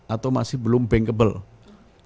atau masih belum bankable